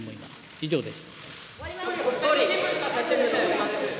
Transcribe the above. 以上です。